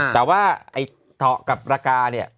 แต่ว่าไอ้เถาะกับรากาเนี่ย